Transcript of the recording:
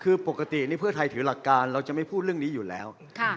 คือปกตินี่เพื่อไทยถือหลักการเราจะไม่พูดเรื่องนี้อยู่แล้ว